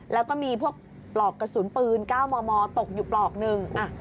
แล้วก็มีพวกปลอกกระสุนปืน๙มมตกอยู่ปลอกหนึ่ง